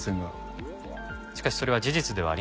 しかしそれは事実ではありませんでした。